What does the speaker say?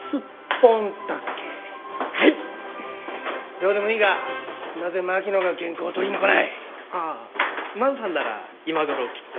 どうでもいいがなぜ槙野が原稿を取りに来ない？ああ万さんなら今頃きっと。